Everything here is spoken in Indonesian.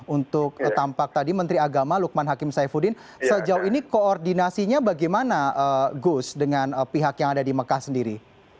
untuk tampak tadi menteri agama lukman hakim saifuddin sejauh ini koordinasinya bagaimana gus dengan pihak yang ada di mekah sendiri